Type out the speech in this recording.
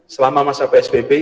selama masa psbb